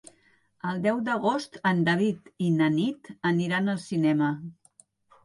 El deu d'agost en David i na Nit aniran al cinema.